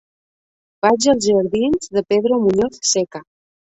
Vaig als jardins de Pedro Muñoz Seca.